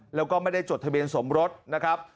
แล้วก็ไม่ได้จดทะเบียนสมรสนะครับ